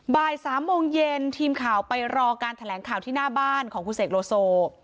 บ่าย๓โมงเย็นทีมข่าวไปรอการแถลงข่าวที่หน้าบ้านของคุณเสกโลโซ